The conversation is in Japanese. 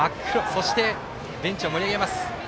そして、ベンチを盛り上げます。